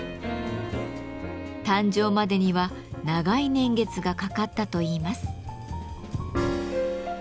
誕生までには長い年月がかかったといいます。